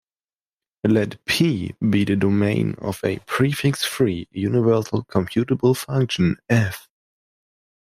Let "P" be the domain of a prefix-free universal computable function "F".